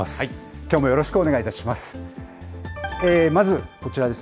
きょうもよろしくお願いします。